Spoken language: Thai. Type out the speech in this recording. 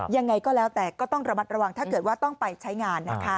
ยังไงก็แล้วแต่ก็ต้องระมัดระวังถ้าเกิดว่าต้องไปใช้งานนะคะ